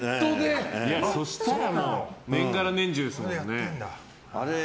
そしたら、年がら年中ですね。